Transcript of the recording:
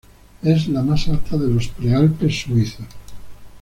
Es la más alta de los Prealpes suizos.